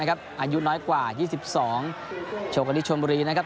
อายุน้อยกว่า๒๒โชคดิชวนบุรีนะครับ